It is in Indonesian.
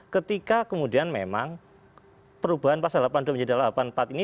ketika kemudian memang perubahan pasal delapan puluh dua menjadi delapan puluh empat ini